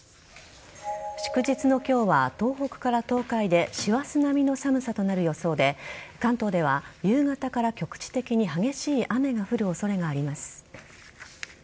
祝日の今日は、東北から東海で師走並みの寒さとなる予想で関東では夕方から局地的に激しい雨が降る恐れがあります。